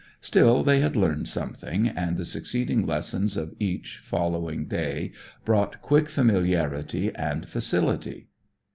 Still, they had learned something, and the succeeding lessons of each following day brought quick familiarity and facility.